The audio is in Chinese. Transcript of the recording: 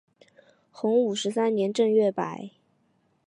洪武十三年正月罢。